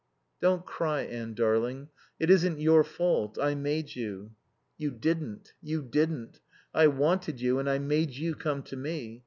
"Don't cry, Anne darling; it isn't your fault. I made you." "You didn't. You didn't. I wanted you and I made you come to me.